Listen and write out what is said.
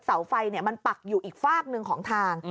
เสาไฟมันปักอยู่อีกฝากหนึ่งของทาง